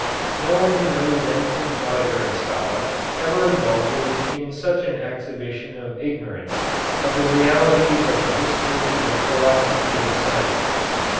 No one who knows anything about Aristotle ever indulges in such an exhibition of ignorance of the realities of the history of philosophy and science.